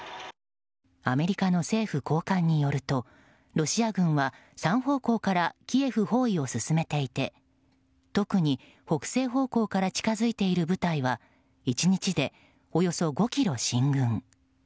アメリカの政府高官によるとロシア軍は３方向からキエフ包囲を進めていて特に北西方向から近付いている部隊は１日で、およそ５ｋｍ進軍。